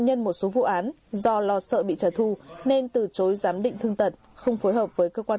nhân một số vụ án do lo sợ bị trả thu nên từ chối giám định thương tật không phối hợp với cơ quan